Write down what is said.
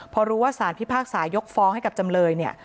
พอรู้ว่าสารพิพากษายกฟ้องให้กับจำเลยเนี่ย